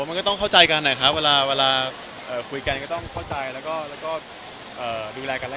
ก็โอ้โหมันก็ต้องเข้าใจกันอะครับเวลาคุยกันก็ต้องเข้าใจแล้วก็ดูแลกันและกันได้ครับผมนั่นเองก็พอแล้ว